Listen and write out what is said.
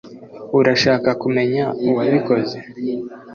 Urashaka kumenya uwabikoze